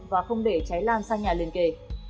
và không để cháy lan sang nhà liền kề